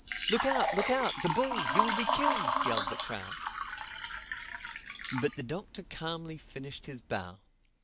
"Look out! Look out!—The bull! You will be killed!" yelled the crowd. But the Doctor calmly finished his bow.